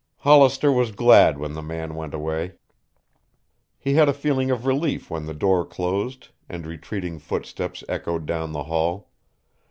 Hollister was glad when the man went away. He had a feeling of relief when the door closed and retreating footsteps echoed down the hall.